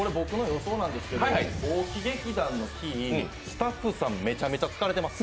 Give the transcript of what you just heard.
予想なんですけど、大木劇団の日、スタッフさんめちゃくちゃ疲れてます。